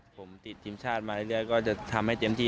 ผมติดทีมชาติมาเรื่อยก็จะทำให้เต็มที่